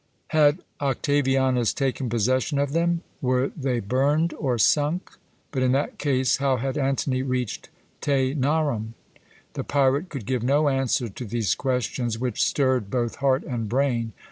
Had Octavianus taken possession of them? Were they burned or sunk? But in that case how had Antony reached Tænarum? The pirate could give no answer to these questions, which stirred both heart and brain.